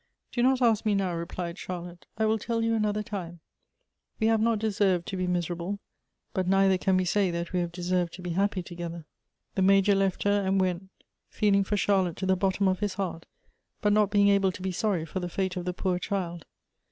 " Do not ask me now !" replied Charlotte. " I will tell you another time. We have not deserved to be miser able; but neither can we say that we have deserved to be happy together." "The Major left her, and went, feeling for Charlotte to the bottom of his heart, but not being able to be sorry for the fate of the poor child.